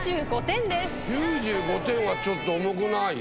９５点はちょっと重くない？